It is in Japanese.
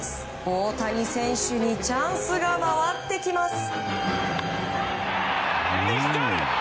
大谷選手にチャンスが回ってきます。